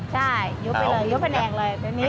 ใช่ยุบไปเลยยุบแขนแอกเลยแค่นี้